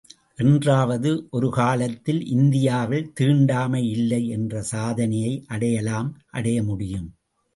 என்றாவது ஒரு காலத்தில் இந்தியாவில் தீண்டாமை இல்லை என்ற சாதனையை அடையலாம் அடையமுடியும்.